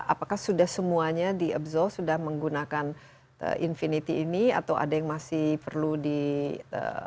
apakah sudah semuanya di abzal sudah menggunakan infinity ini atau ada yang masih perlu di